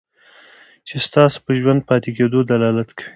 چې ستاسو په ژوندي پاتې کېدلو دلالت کوي.